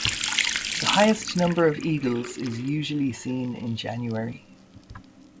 The highest number of eagles is usually seen in January.